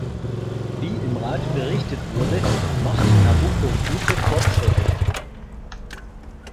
Wie im Rat berichtet wurde, macht Nabucco gute Forschritte.